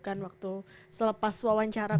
kan waktu selepas wawancara